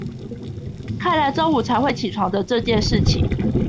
看來中午才會起床的這件事情